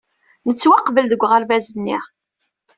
Nettwaqbel deg uɣerbaz-nni.